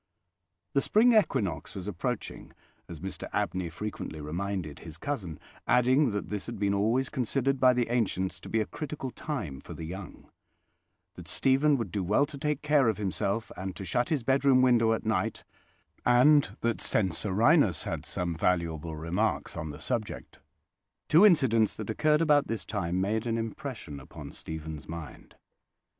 The spring equinox was approaching, as Mr Abney frequently reminded his cousin, adding that this had been always considered by the ancients to be a critical time for the young: that Stephen would do well to take care of himself, and to shut his bedroom window at night; and that Censorinus had some valuable remarks on the subject. Two incidents that occurred about this time made an impression upon Stephen's mind.